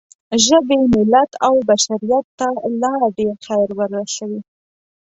ژبې، ملت او بشریت ته لا ډېر خیر ورسوئ.